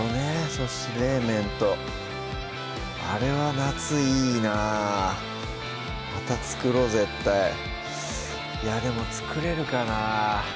そして冷麺とあれは夏いいなまた作ろう絶対いやでも作れるかなぁ？